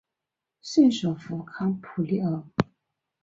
圣索弗康普里厄。